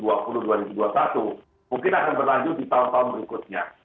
jadi tidak hanya dua ribu dua puluh dua ribu dua puluh satu mungkin akan berlanjut di tahun tahun berikutnya